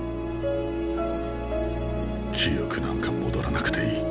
記憶なんか戻らなくていい。